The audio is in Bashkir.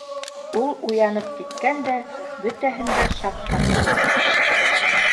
Ул уянып киткән дә, бөтәһен дә шаҡ ҡатырған.